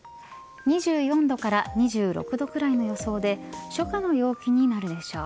２４度から２６度くらいの予想で初夏の陽気になるでしょう。